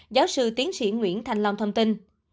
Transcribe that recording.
bộ trưởng nguyễn thanh long thông tin